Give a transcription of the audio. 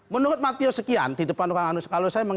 menurut matius sekian di depan orang orang